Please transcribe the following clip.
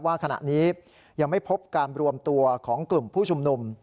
ว่าขณะนี้ยังไม่พบการรวมตัวของกลุ่มผู้ชุมนุม